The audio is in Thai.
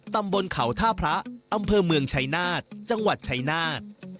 ตำบลเขาท่าพระอำเภอเมืองชัยนาฏจังหวัดชัยนาธ